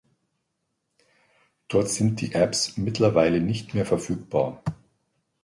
Dort sind die Apps mittlerweile nicht mehr verfügbar.